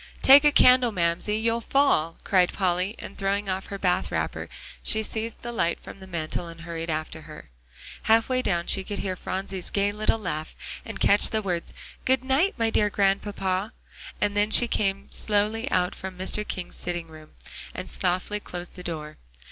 "Take a candle, Mamsie, you'll fall," cried Polly, and throwing on her bath wrapper, she seized the light from the mantel and hurried after her. Half way down she could hear Phronsie's gay little laugh, and catch the words "Good night, my dear Grandpapa," and then she came slowly out from Mr. King's sitting room, and softly closed the door.